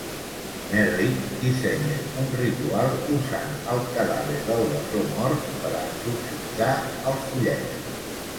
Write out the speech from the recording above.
Merrick dissenya un ritual, usant el cadàver del bessó mort, per a exorcitzar al follet.